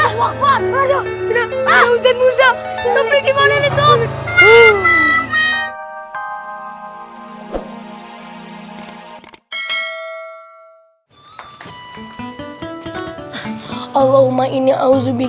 hai wah robot pada hai temujak temujak menutupi